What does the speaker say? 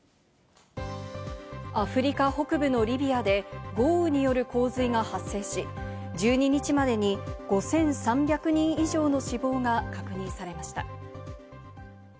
アフリカ北部のリビアで豪雨による洪水が発生し、１２日までに５３００人以上の死亡が確認されました。